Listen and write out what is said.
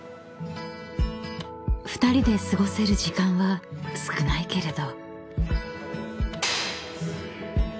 ［２人で過ごせる時間は少ないけれど］